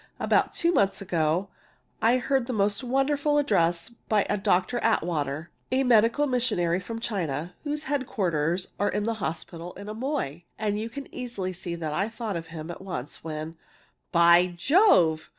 About two months ago I heard a most wonderful address by a Dr. Atwater, a medical missionary from China, whose headquarters are at the hospital in Amoy. And you can easily see that I thought of him at once, when " "By Jove!"